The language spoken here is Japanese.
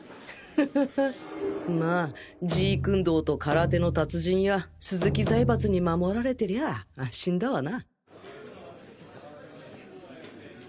ハハハまぁジークンドーと空手の達人や鈴木財閥に守られてりゃ安心だわな